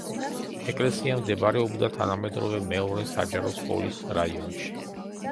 ეკლესია მდებარეობდა თანამედროვე მეორე საჯარო სკოლის რაიონში.